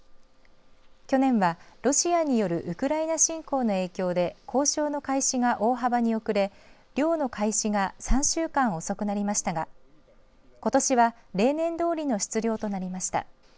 去年はロシアによるウクライナ侵攻の影響で交渉の開始が大幅に遅れ漁の開始が３週間遅くなりましたがことしは例年どおりの出漁となりました。